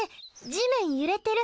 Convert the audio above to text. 地面揺れてる。